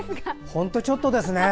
ほんとちょっとですね。